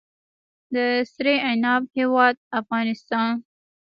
د سرې عناب هیواد افغانستان.